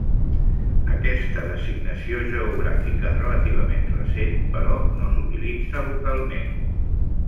Aquesta designació geogràfica relativament recent, però no s'utilitza localment.